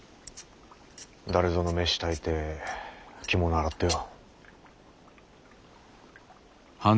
誰ぞの飯炊いて着物洗ってよ。